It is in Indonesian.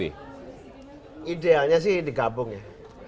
idealnya sih digabung ya